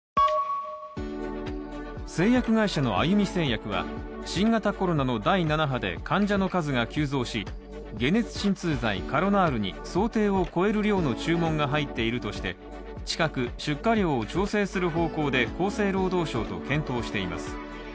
製薬会社のあゆみ製薬は新型コロナの第７波で患者の数が急増し解熱鎮痛剤カロナールに想定を超える量の注文が入っているとして近く出荷量を調整する方向で厚生労働省と検討しています。